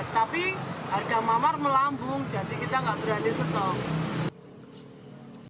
tapi harga mamar melambung jadi kita gak berani setop